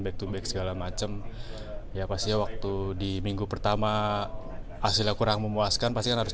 back to back segala macam ya pasti waktu di minggu pertama hasilnya kurang memuaskan pasti kan harus